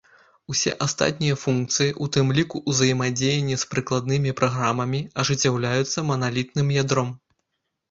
Усе астатнія функцыі, у тым ліку узаемадзеянне з прыкладнымі праграмамі, ажыццяўляюцца маналітным ядром.